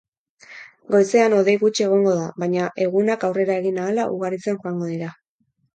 Goizean hodei gutxi egongo da baina egunak aurrera egin ahala ugaritzen joango dira.